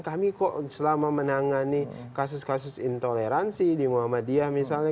kami kok selama menangani kasus kasus intoleransi di muhammadiyah misalnya